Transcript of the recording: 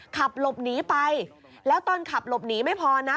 ขับหลบหนีไปแล้วตอนขับหลบหนีไม่พอนะ